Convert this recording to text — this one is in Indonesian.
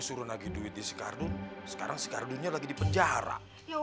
gua suruh nagi duit di skardun sekarang skardunya lagi dipenjara yaudah tadi aja ke penjara bang